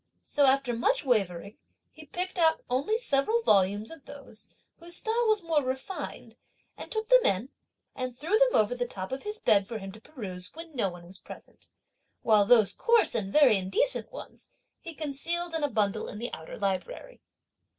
So after much wavering, he picked out only several volumes of those whose style was more refined, and took them in, and threw them over the top of his bed for him to peruse when no one was present; while those coarse and very indecent ones, he concealed in a bundle in the outer library.